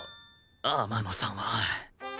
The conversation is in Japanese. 天野さんは